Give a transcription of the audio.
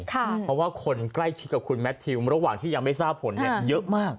เพราะว่าคนใกล้ชิดกับคุณแมททิวระหว่างที่ยังไม่ทราบผลเยอะมาก